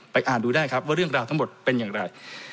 อ่านดูได้ครับว่าเรื่องราวทั้งหมดเป็นอย่างไร